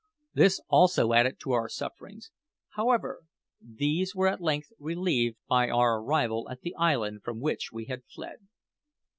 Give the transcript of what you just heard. This also added to our sufferings. However, these were at length relieved by our arrival at the island from which we had fled.